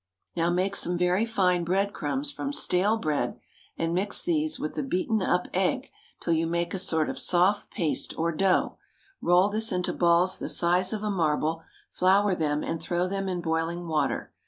Now make some very fine bread crumbs from stale bread, and mix this with the beaten up egg till you make a sort of soft paste or dough; roll this into balls the size of a marble, flour them, and throw them into boiling water.